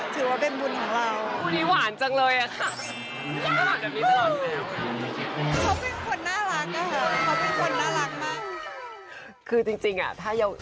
เขาเป็นคนน่ารักนะเร็ว